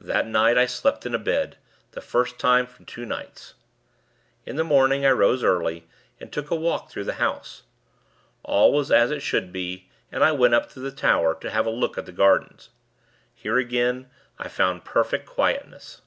That night, I slept in a bed; the first time for two nights. In the morning, I rose early, and took a walk through the house. All was as it should be, and I went up to the tower, to have a look at the gardens. Here, again, I found perfect quietness.